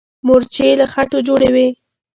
مورچې له خټو جوړې وي.